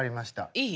いい？